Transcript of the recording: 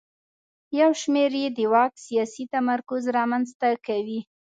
یو شمېر یې د واک سیاسي تمرکز رامنځته کوي.